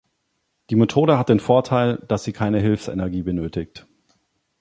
Die Methode hat den Vorteil, dass sie keine Hilfsenergie benötigt.